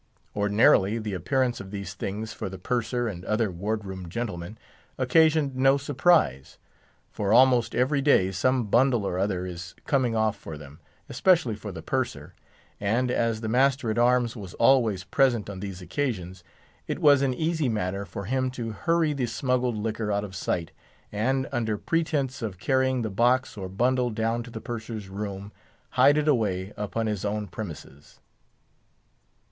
Ordinarily, the appearance of these things for the Purser and other ward room gentlemen occasioned no surprise; for almost every day some bundle or other is coming off for them, especially for the Purser; and, as the master at arms was always present on these occasions, it was an easy matter for him to hurry the smuggled liquor out of sight, and, under pretence of carrying the box or bundle down to the Purser's room, hide it away upon his own premises.